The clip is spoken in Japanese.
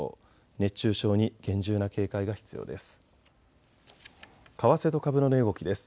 熱中症に厳重な警戒が必要です。